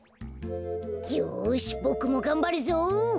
よしボクもがんばるぞ！